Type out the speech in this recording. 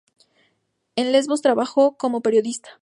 En Lesbos trabajó como periodista.